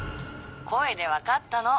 声で分かったの。